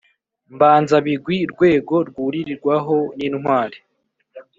mbanzabigwi, rwego rwuririrwaho n'intwari,